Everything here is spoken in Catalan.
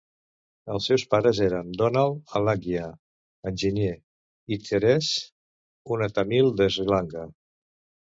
Els seus pares eren Donald Alagiah, enginyer, i Therese, una tàmil d"Sri Lanka.